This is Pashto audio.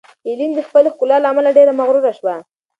ایلین د خپلې ښکلا له امله ډېره مغروره وه.